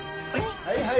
はいはい。